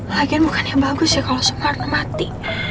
lagian bukan yang bagus ya kalo subarna mati